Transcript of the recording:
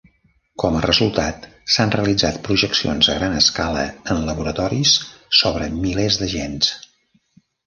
Com a resultat, s'han realitzat projeccions a gran escala en laboratoris sobre milers de gens.